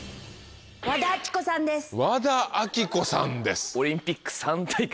「和田アキ子さんです」。